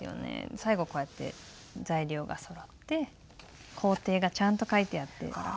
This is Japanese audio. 最後こうやって材料がそろって工程がちゃんと書いてあって。